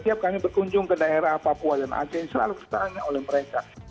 setiap kami berkunjung ke daerah papua dan aceh selalu ditanya oleh mereka